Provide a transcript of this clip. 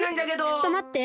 ちょっとまって！